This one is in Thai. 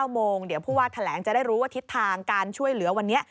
โมงเดี๋ยวผู้ว่าแถลงจะได้รู้ว่าทิศทางการช่วยเหลือวันนี้